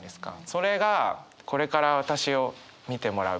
それがこれから私を見てもらうみたいな。